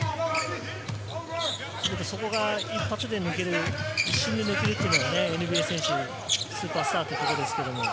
そこが一発で抜ける、一瞬で抜けるのがＮＢＡ選手、スーパースターというところです。